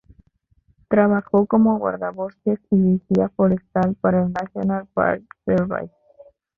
Trabajó como guardabosques y vigía forestal para el National Park Service.